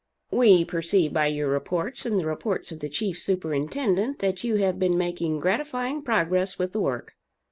"We perceive by your reports and the reports of the Chief Superintendent, that you have been making gratifying progress with the work.